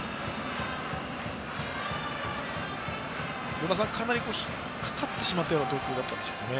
与田さん、かなり引っかかってしまったような投球でしたかね。